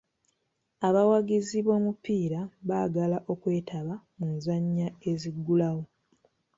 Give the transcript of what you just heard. Abawagizi b'omupiira baagala okwetaba mu nzannya eziggulawo.